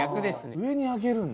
上に上げるんだ。